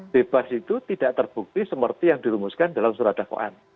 bebas itu tidak terbukti seperti yang dilumuskan dalam surat al quran